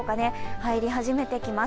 入り始めてきます。